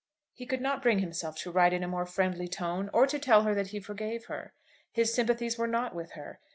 He could not bring himself to write in a more friendly tone, or to tell her that he forgave her. His sympathies were not with her.